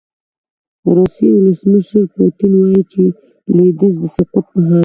د روسیې ولسمشر پوتین وايي چې لویدیځ د سقوط په حال کې دی.